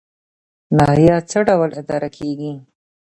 ناحیه څه ډول اداره کیږي؟